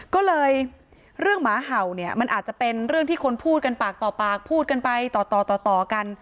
ก็เลยเรื่องหมาเห่าเนี่ยมันอาจจะเป็นเรื่องที่คนพูดกันปากต่อปากพูดกันไปต่อต่อกัน